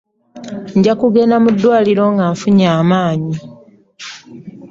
Nja kugenda mu ddwaliro nga nfunye amaanyi.